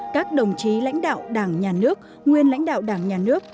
các đồng chí lãnh đạo đảng nhà nước nguyên lãnh đạo đảng nhà nước